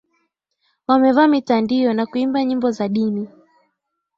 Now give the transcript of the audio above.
wamevaa mitandio na kuimba nyimbo za dini